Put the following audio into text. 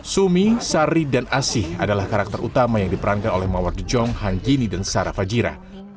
sumi sari dan asih adalah karakter utama yang diperankan oleh mawar di jong hanggini dan sarah fajira